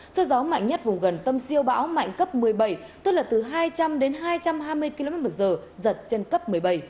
sơ gió mạnh nhất vùng gần tâm siêu bão mạnh cấp một mươi bảy tức là từ hai trăm linh đến hai trăm hai mươi kmh giật trên cấp một mươi bảy